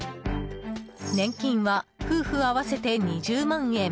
年金は夫婦合わせて２０万円。